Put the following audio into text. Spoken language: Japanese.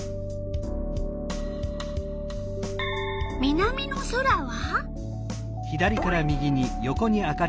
南の空は？